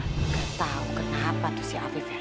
gak tau kenapa tuh si afif ya